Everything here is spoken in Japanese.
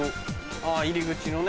あぁ入り口のね。